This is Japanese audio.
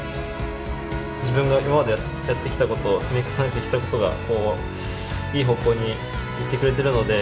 自分が今までやってきたこと積み重ねてきたことがいい方向に行ってくれてるので。